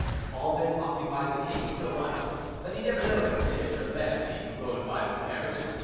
All this occupied the king so much, that he never noticed an image of vanity who rode by his carriage.